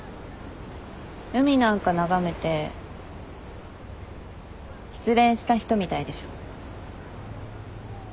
海なんか眺めて失恋した人みたいでしょ。